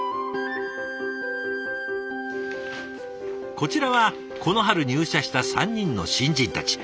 こちらはこの春入社した３人の新人たち。